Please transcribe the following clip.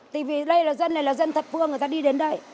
tại vì đây là dân này là dân thật phương người ta đi đến đây